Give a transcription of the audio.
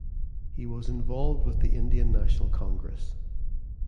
He was involved with the Indian National Congress.